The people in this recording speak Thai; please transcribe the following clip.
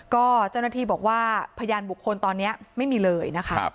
ก็เจ้าหน้าที่บอกว่าพยานบุคคลตอนนี้ไม่มีเลยนะคะ